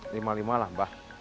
rp lima puluh lima lah mbah